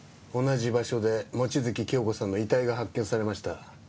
同じ場所で望月京子さんの遺体が発見されました。